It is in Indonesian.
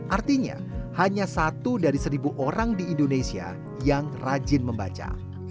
artinya hanya satu dari seribu orang di indonesia yang rajin membaca